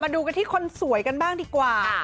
ดูกันที่คนสวยกันบ้างดีกว่า